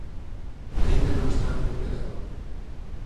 Aínda non está recuperado.